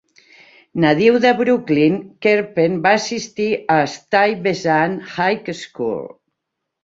Nadiu de Brooklyn, Kerpen va assistir a Stuyvesant High School.